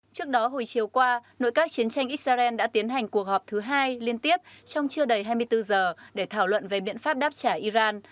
trước đó hồi chiều qua nội các chiến tranh israel đã tiến hành cuộc họp thứ hai liên tiếp trong chưa đầy hai mươi bốn giờ để thảo luận về biện pháp đáp trả iran